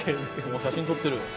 写真撮ってる。